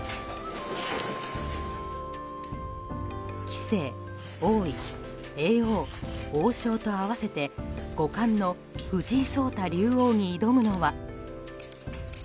棋聖、王位叡王、王将と合わせて五冠の藤井聡太竜王に挑むのは。